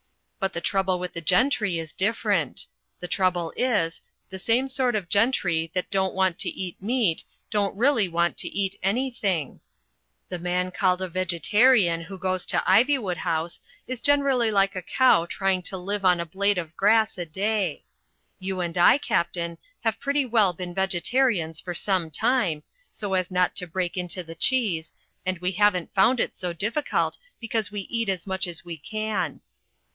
But the trouble with the gentry is different. The trouble is, the same sort of gentry that don't want to eat meat don't really want to eat anything. The man called a Vegetarian who goes u,y,uz«u by Google t. 138 THE FLYING INN to Ivywood House is generally like a cow trying to live on a blade of grass a day. You and I, Captain, have pretty well been vegetarians for some time, so as not to break into the cheese, and we haven't found it so difficult, because we eat as much as we can."